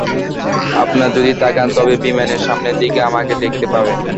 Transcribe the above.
আপনারা যদি তাকান, তবে বিমানের সামনের দিকে আমাকে দেখতে পাবেন।